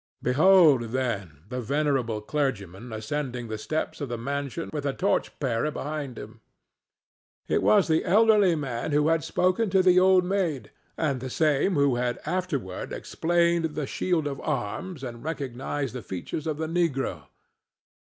'" Behold, then, the venerable clergyman ascending the steps of the mansion with a torch bearer behind him. It was the elderly man who had spoken to the Old Maid, and the same who had afterward explained the shield of arms and recognized the features of the negro.